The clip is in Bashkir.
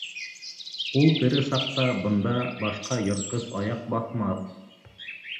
Ул тере саҡта бында башҡа йыртҡыс аяҡ баҫмаҫ...